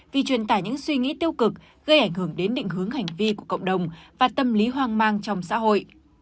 vì truyền tải những suy nghĩ tiêu cực gây ảnh hưởng đến định hướng hành vi của cộng đồng và tâm lý hoang mang trong xã hội